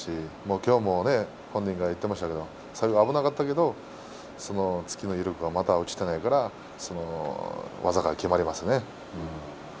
きょうも本人が言っていましたけども最後、危なかったけれども突きの威力がまだ落ちていないから技がきまりますね。